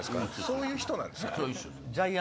そういう人なんすか？